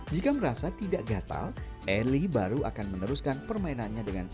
jika merasa tidak gatal eli baru akan meneruskan permainannya dengan cepat